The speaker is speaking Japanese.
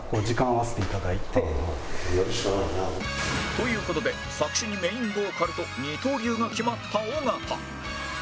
という事で作詞にメインボーカルと二刀流が決まった尾形